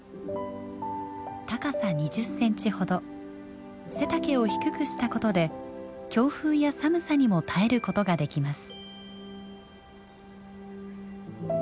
高さ２０センチほど背丈を低くしたことで強風や寒さにも耐えることができます。